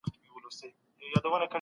مسلمانو عالمانو یوناني اثار ژباړلي دي.